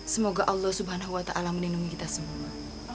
semoga allah swt melindungi kita semua